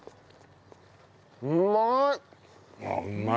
うまい！